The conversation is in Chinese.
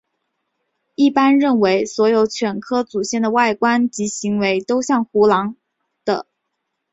一般认为所有犬科祖先的外观及行为都像胡狼的。